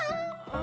あ。